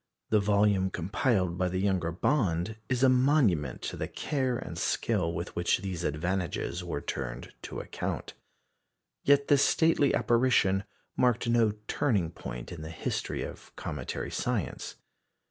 The volume compiled by the younger Bond is a monument to the care and skill with which these advantages were turned to account. Yet this stately apparition marked no turning point in the history of cometary science.